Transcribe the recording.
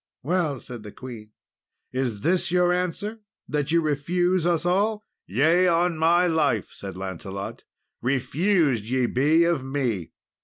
"Well," said the queen, "is this your answer, that ye refuse us all?" "Yea, on my life," said Lancelot, "refused ye be of me."